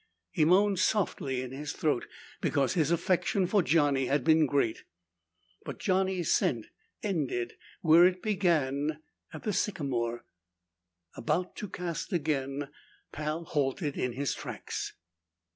He moaned softly in his throat, because his affection for Johnny had been great. But Johnny's scent ended where it began, at the sycamore. About to cast again, Pal halted in his tracks.